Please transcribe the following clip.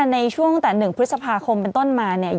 ในช่วงตั้งแต่๑พฤษภาคมเป็นต้นมาเนี่ย